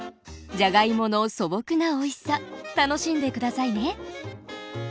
じゃがいもの素朴なおいしさ楽しんで下さいね。